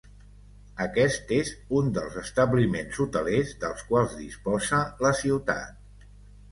Aquest és un dels establiments hotelers dels quals disposa la ciutat.